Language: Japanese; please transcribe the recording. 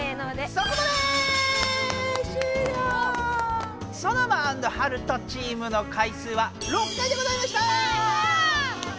ソノマ＆ハルトチームの回数は６回でございました！